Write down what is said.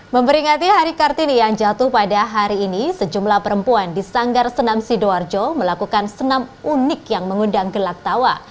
memperingati hari kartini yang jatuh pada hari ini sejumlah perempuan di sanggar senam sidoarjo melakukan senam unik yang mengundang gelak tawa